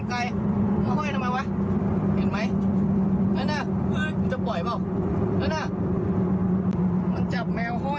มันจะปล่อยหรือเปล่ามันจับแมวห้อย